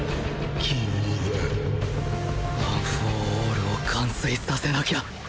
ワン・フォー・オールを完遂させなきゃ